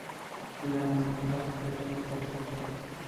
حلاله نفقه ګټل عبادت دی.